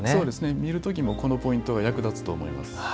見るときもこのポイントが役立つと思います。